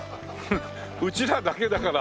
うちらだけだから。